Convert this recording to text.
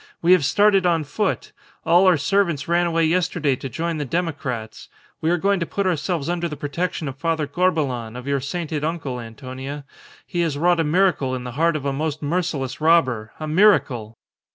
"We have started on foot. All our servants ran away yesterday to join the democrats. We are going to put ourselves under the protection of Father Corbelan, of your sainted uncle, Antonia. He has wrought a miracle in the heart of a most merciless robber. A miracle!"